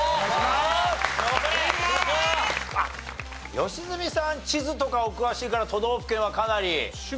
良純さん地図とかお詳しいから都道府県はかなり。